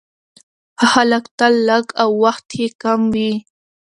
ښه خلک تل لږ او وخت يې کم وي،